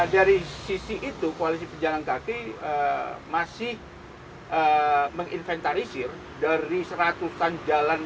dari sisi itu koalisi penjalan kaki masih menginventarisir dari seratusan jalan